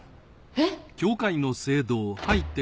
えっ！？